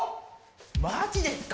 マジですか。